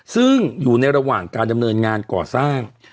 ซึ่งอยู่ในระหว่างการดำเนินงานก่อสร้าง